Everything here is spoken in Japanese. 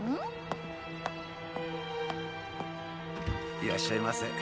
いらっしゃいませ。